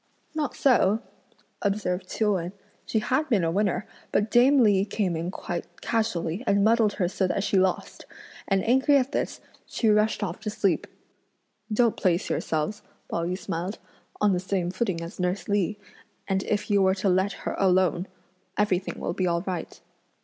"Not so!" observed Chiu Wen; "she had been a winner, but dame Li came in quite casually and muddled her so that she lost; and angry at this she rushed off to sleep." "Don't place yourselves," Pao yü smiled, "on the same footing as nurse Li, and if you were to let her alone, everything will be all right."